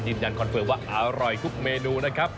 คอนเฟิร์มว่าอร่อยทุกเมนูนะครับ